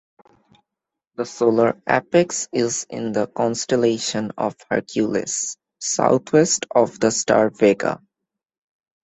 The solar apex is in the constellation of Hercules, southwest of the star Vega.